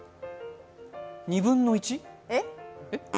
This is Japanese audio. ２分の１？